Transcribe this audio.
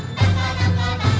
どこどん！」